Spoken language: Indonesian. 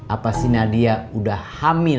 apa sih nadia udah hamil